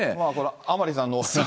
甘利さんの。